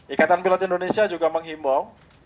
ikatan pilot indonesia juga menghimbau